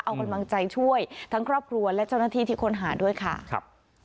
เอากำลังใจช่วยทั้งครอบครัวและเจ้าหน้าที่ที่ค้นหาด้วยค่ะครับ